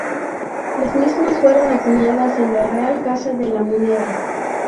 Las mismas fueron acuñadas en la Real Casa de la Moneda.